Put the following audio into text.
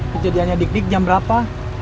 kejadiannya dik dik jam berapa